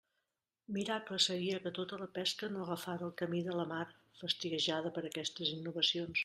Miracle seria que tota la pesca no agafara el camí de la mar, fastiguejada per aquestes innovacions!